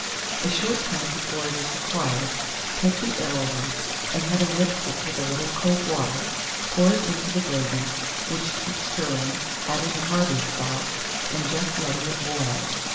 A short time before it is required, take the arrowroot, and having mixed it with a little cold water, pour it into the gravy, which keep stirring, adding the Harvey's sauce, and just letting it boil.